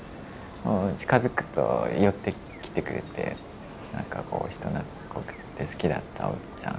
近づくと寄ってきてくれて人なつっこくて好きだったおっちゃん。